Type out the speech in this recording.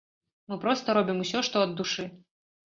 Мы проста робім усё, што ад душы.